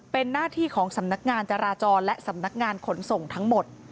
เป็นหน้าที่ของสำนักงานจราจรและสำนักงานขนส่งทั้งหมด